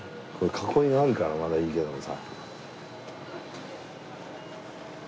囲いがあるからまだいいけどもさ。